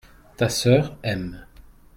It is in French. ta sœur aime.